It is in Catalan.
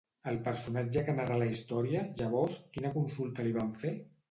Al personatge que narra la història, llavors, quina consulta li van fer?